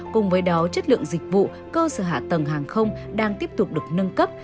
cùng với đó chất lượng dịch vụ cơ sở hạ tầng hàng không đang tiếp tục được nâng cấp